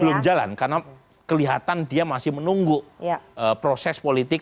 belum jalan karena kelihatan dia masih menunggu proses politik